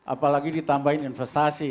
apalagi ditambahin investasi